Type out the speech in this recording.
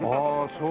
そう。